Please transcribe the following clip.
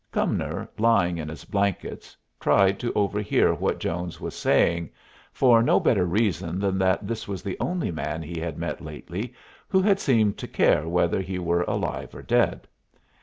Cumnor, lying in his blankets, tried to overhear what Jones was saying, for no better reason than that this was the only man he had met lately who had seemed to care whether he were alive or dead.